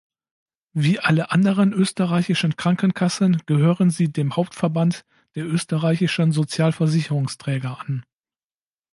Wie alle anderen österreichischen Krankenkassen gehören sie dem Hauptverband der österreichischen Sozialversicherungsträger an.